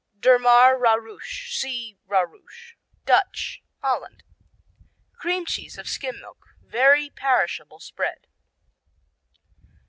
Durmar, Rarush see Rarush. Dutch Holland Cream cheese of skim milk, very perishable spread.